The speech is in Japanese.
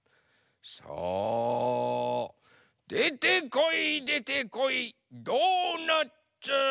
さあでてこいでてこいドーナツ！